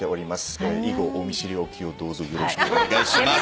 以後お見知りおきをどうぞよろしくお願いします。